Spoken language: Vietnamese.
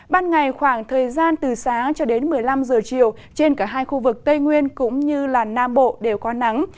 ban ngày khoảng thời gian từ sáng cho đến một mươi năm giờ chiều trên cả hai khu vực tây nguyên cũng như nam bộ đều có nắng